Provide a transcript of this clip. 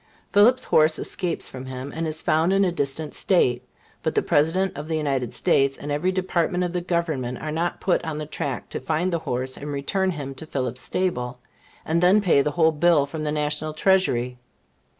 Phillips's horse escapes from him, and is found in a distant State; but the President of the United States, and every department of Government, are not put on the track to find the horse, and return him to Phillips's stable, and then pay the whole bill from the National Treasury.